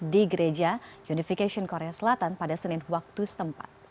di gereja unification korea selatan pada senin waktu setempat